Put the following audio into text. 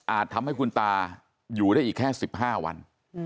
ทำให้คุณตาอยู่ได้อีกแค่๑๕วัน